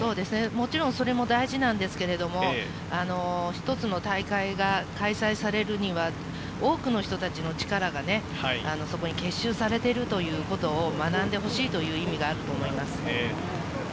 もちろん、それは大事なんですけど、一つの大会が開催されるには、多くの人たちの力が結集されているということを学んでほしいという意味があると思います。